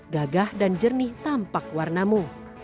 gagah dan jernih tampak warnamu